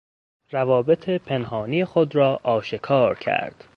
روابط پنهانی خود را آشکار کرد.